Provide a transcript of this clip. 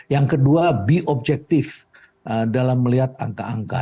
yang kedua be objektif dalam melihat angka angka